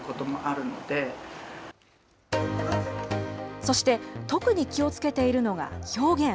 そして特に気をつけているのが表現。